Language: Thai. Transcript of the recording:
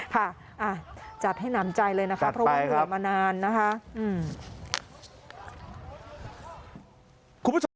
ค่ะจัดให้หนำใจเลยนะคะเพราะว่าเหนื่อยมานานนะคะ